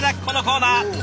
このコーナー。